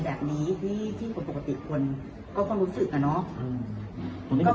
แบบนี้ที่ที่คนปกติคนก็ควรรู้สึกอ่ะเนอะอืม